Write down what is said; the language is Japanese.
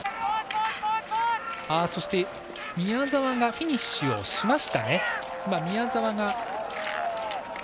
そして宮沢がフィニッシュしましたね。